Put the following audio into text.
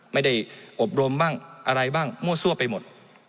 ไม่ได้อบรมบ้างอะไรบ้างมั่วซั่วไปหมด